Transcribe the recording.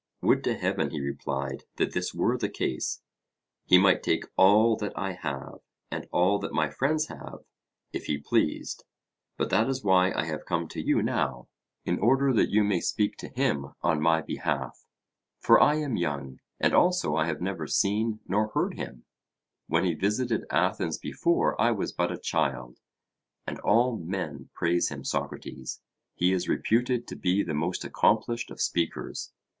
Would to heaven, he replied, that this were the case! He might take all that I have, and all that my friends have, if he pleased. But that is why I have come to you now, in order that you may speak to him on my behalf; for I am young, and also I have never seen nor heard him; (when he visited Athens before I was but a child;) and all men praise him, Socrates; he is reputed to be the most accomplished of speakers.